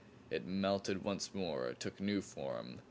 It melted once more took new form.